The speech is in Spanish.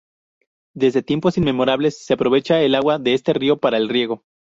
Desde tiempos inmemoriales se aprovecha el agua de este río para el riego.